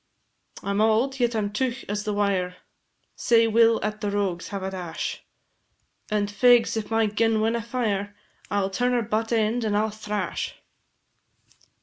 "I 'm auld, yet I 'm teugh as the wire, Sae we 'll at the rogues have a dash, And, fegs, if my gun winna fire, I 'll turn her butt end, and I 'll thrash."